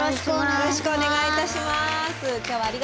よろしくお願いします。